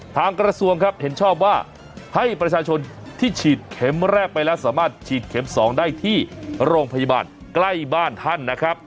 กระทรวงครับเห็นชอบว่าให้ประชาชนที่ฉีดเข็มแรกไปแล้วสามารถฉีดเข็ม๒ได้ที่โรงพยาบาลใกล้บ้านท่านนะครับ